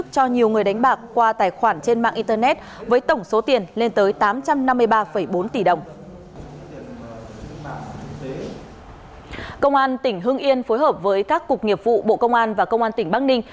công an tỉnh hưng yên phối hợp với các cục nghiệp vụ bộ công an và công an tỉnh bắc ninh